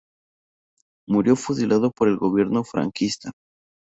Murió fusilado por el gobierno franquista.